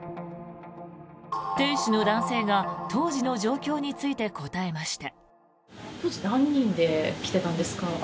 店主の男性が当時の状況について答えました。